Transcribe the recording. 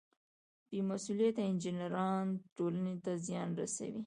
بې مسؤلیته انجینران ټولنې ته زیان رسوي.